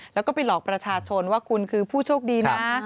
แล้วก็ไปหลอกประชาชนว่าคุณคือผู้โชคดีนะ